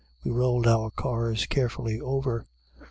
We rolled our cars carefully over.